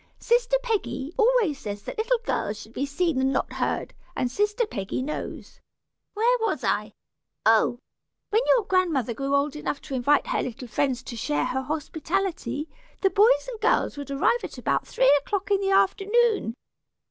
Sister Peggy always says that little girls should be seen and not heard, and sister Peggy knows Where was I Oh! when your grandmother grew old enough to invite her little friends to share her hospitality, the boys and girls would arrive at about three o'clock in the afternoon.